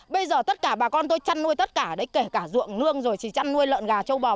bây giờ tất cả bà con tôi chăn nuôi tất cả đấy kể cả ruộng nương rồi chỉ chăn nuôi lợn gà châu bò